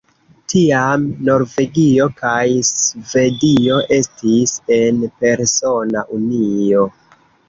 Tiam, Norvegio kaj Svedio estis en persona unio.